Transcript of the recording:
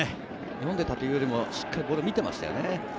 読んでいたというよりも、しっかりボールを見ていましたね。